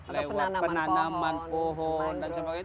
lewat penanaman pohon dan sebagainya